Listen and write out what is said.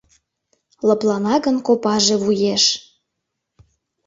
Лыплана гын копаже вуеш.